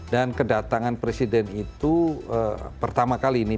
dan kedatangan presiden itu pertama kali ini